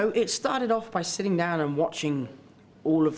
dan memastikan saya tidak mengubah segalanya